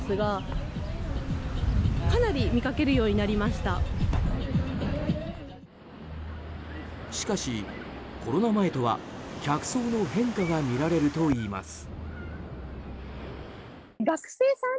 しかし、コロナ前とは客層の変化がみられるといいます。